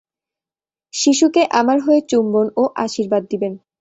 শিশুকে আমার হয়ে চুম্বন ও আশীর্বাদ দিবেন।